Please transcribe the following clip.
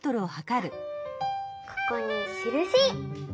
ここにしるし！